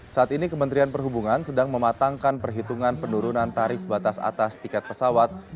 saat ini kementerian perhubungan sedang mematangkan perhitungan penurunan tarif batas atas tiket pesawat